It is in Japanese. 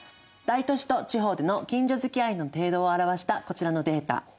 大都市と地方での近所付き合いの程度を表したこちらのデータ